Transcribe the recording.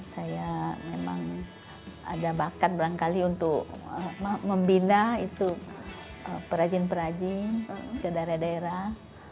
saya memang ada bakat berangkali untuk membina itu perajin perajin ke daerah daerah